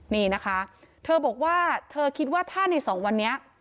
นี่นะคะเธอบอกว่าเธอคิดว่าถ้าในสองวันนี้